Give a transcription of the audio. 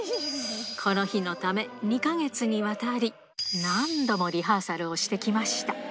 この日のため、２か月にわたり、何度もリハーサルをしてきました。